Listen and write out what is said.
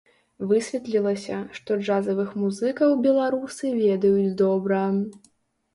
Высветлілася, што джазавых музыкаў беларусы ведаюць добра.